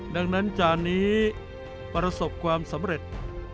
ดังนั้นจานนี้ประสบความสำเร็จ